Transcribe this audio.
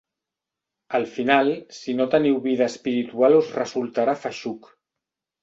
Al final, si no teniu vida espiritual us resultarà feixuc.